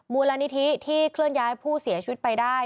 มูลนิธิที่เคลื่อนย้ายผู้เสียชีวิตไปได้